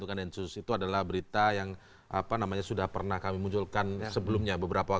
kalau saya dimaksudkan lebahi